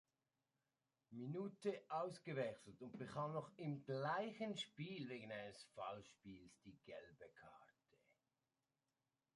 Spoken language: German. Minute ausgewechselt und bekam noch im gleichen Spiel wegen eines Foulspiels die gelbe Karte.